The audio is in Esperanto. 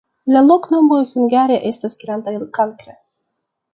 La loknomo hungare estas granda-kankra.